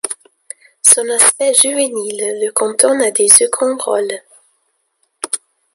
Son aspect juvénile le cantonne à des seconds rôles.